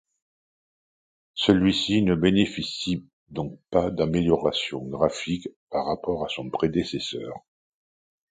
Celui-ci ne bénéficie donc pas d’amélioration graphique par rapport à son prédécesseur.